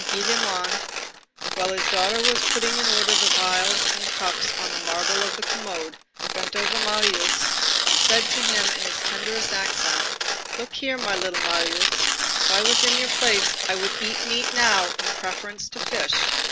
Gillenormand, while his daughter was putting in order the phials and cups on the marble of the commode, bent over Marius and said to him in his tenderest accents: "Look here, my little Marius, if I were in your place, I would eat meat now in preference to fish.